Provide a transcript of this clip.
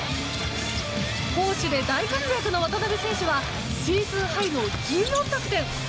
攻守で大活躍の渡邊選手はシーズンハイの１４得点。